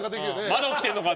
まだ起きてるのか！